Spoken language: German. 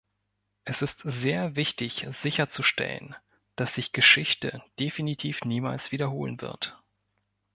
Es ist sehr wichtig, sicherzustellen, dass sich Geschichte definitiv niemals wiederholen wird.